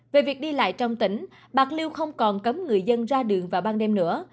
về việc đi lại trong tỉnh bạc liêu không còn cấm người dân ra đường vào ban đêm nữa